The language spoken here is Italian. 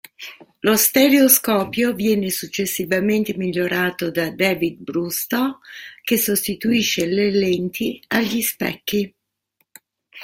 Lo stereoscopio viene successivamente migliorato da David Brewster che sostituisce le lenti agli specchi.